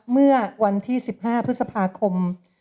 เมื่อวันที่๑๕พฤษภาคม